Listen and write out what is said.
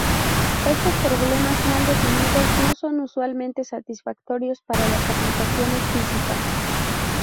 Estos problemas mal definidos no son usualmente satisfactorios para las aplicaciones físicas.